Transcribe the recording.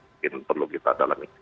mungkin perlu kita dalam